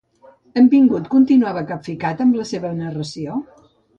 En Vingut continuava capficat amb la seva narració?